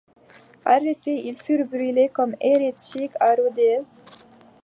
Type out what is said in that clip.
Arrêtés ils furent brûlés comme hérétiques à Rodez.